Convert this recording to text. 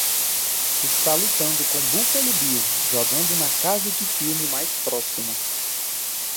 Está lutando com Buffalo Bill jogando na casa de filme mais próxima